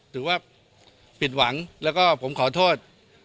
ถือว่าผิดหวังแล้วก็ผมขอโทษ